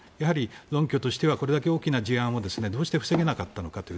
論拠としてはこれだけ大きな事案をどうして防げなかったのかという